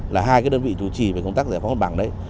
là hai cái đơn vị chủ trì về công tác giải phóng mặt bằng đấy